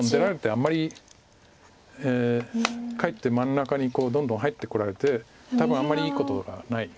あんまりかえって真ん中にどんどん入ってこられて多分あんまりいいことがない。